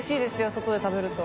外で食べると。